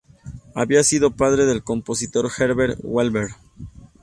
Había sido padre del compositor Herbert Wahlberg.